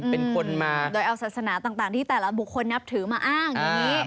เป็นคนมาโดยเอาศาสนาต่างที่แต่ละบุคคลนับถือมาอ้างอย่างนี้